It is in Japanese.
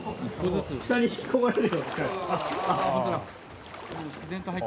下に引き込まれるような。